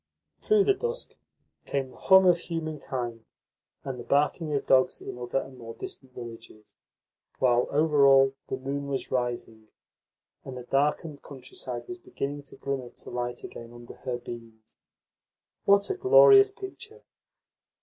Through the dusk came the hum of humankind, and the barking of dogs in other and more distant villages; while, over all, the moon was rising, and the darkened countryside was beginning to glimmer to light again under her beams. What a glorious picture!